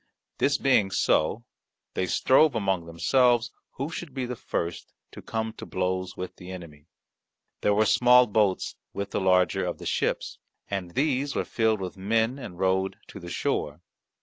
This being so, they strove among themselves who should be the first to come to blows with the enemy. There were small boats with the larger of the ships, and these were filled with men and rowed to the shore.